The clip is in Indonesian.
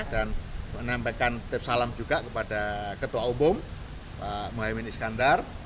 dan menampilkan salam juga kepada ketua umum pak muhyiddin iskandar